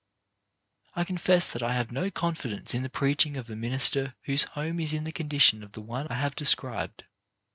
I confess that I have no confidence in the preaching of a minister whose home is in the condition of the one I have described.